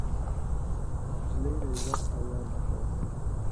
نجلۍ د عزت او ویاړ نښه ده.